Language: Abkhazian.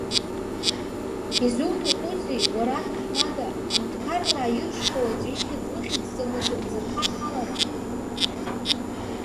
Изуҭахузеи, уара аҭаҳмада, ҳәынҭқараа иршьхьоу аӡә ихьӡ ухьӡҵаны сымӡырха аҭалара?